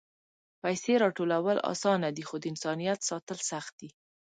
پېسې راټولول آسانه دي، خو د انسانیت ساتل سخت دي.